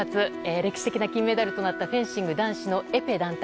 歴史的な金メダルとなったフェンシング男子のエペ団体。